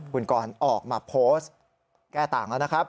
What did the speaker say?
คุณกรออกมาโพสต์แก้ต่างแล้วนะครับ